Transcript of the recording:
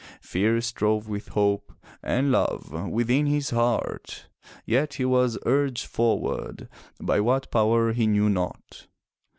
Fear strove with hope and love within his heart. Yet he was urged forward — by what power he knew not.